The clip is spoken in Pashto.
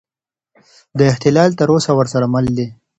دا اختلال تر اوسه ورسره مل دی.